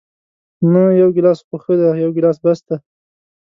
نه، یو ګیلاس خو ښه دی، یو ګیلاس بس دی.